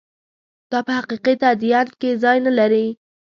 دا په حقیقي تدین کې ځای نه لري.